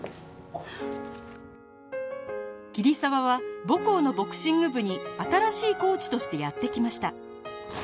桐沢は母校のボクシング部に新しいコーチとしてやって来ました